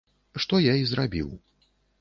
Што я і зрабіў.